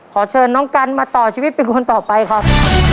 ขอเชิญน้องกันมาต่อชีวิตเป็นคนต่อไปครับ